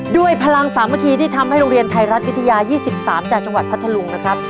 พลังสามัคคีที่ทำให้โรงเรียนไทยรัฐวิทยา๒๓จากจังหวัดพัทธลุงนะครับ